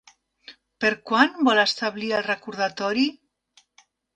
Per quan vol establir el recordatori?